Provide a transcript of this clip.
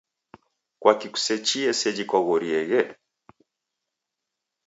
Kwaki kusechie sejhi koghorieghe?